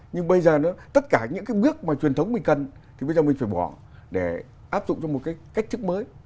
nhưng bây giờ nó tất cả những cái bước mà truyền thống mình cần thì bây giờ mình phải bỏ để áp dụng cho một cái cách thức mới